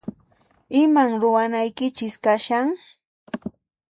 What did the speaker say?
Iman ruwanaykichis kashan?